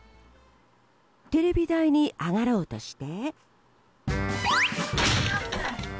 テレビ台に上がろうとして。